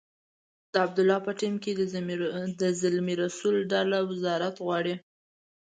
د عبدالله په ټیم کې د زلمي رسول ډله وزارت غواړي.